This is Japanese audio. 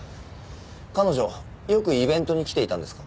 彼女よくイベントに来ていたんですか？